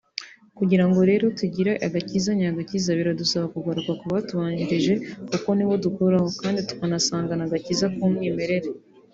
Kugira ngo rero tugire agakiza nyagakiza biradusaba kugaruka ku batubanjirije kuko nibo dukuraho kandi tukanasangana agakiza k’umwimerere